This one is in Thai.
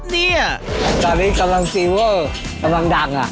ตอนนี้กำลังซีเวอร์กำลังดัง